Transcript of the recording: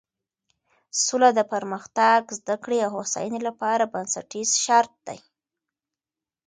سوله د پرمختګ، زده کړې او هوساینې لپاره بنسټیز شرط دی.